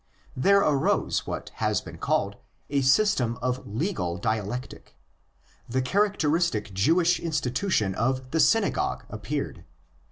There arose what has been called a system of '* legal dialectic." The characteristic Jewish institu tion of the Synagogue appeared.